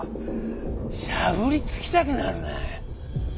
しゃぶりつきたくなるな。